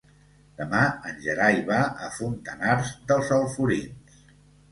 Demà en Gerai va a Fontanars dels Alforins.